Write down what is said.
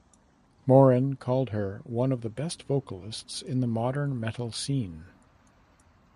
Morin called her "one of the best vocalists in the modern metal scene".